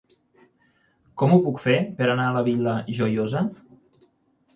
Com ho puc fer per anar a la Vila Joiosa?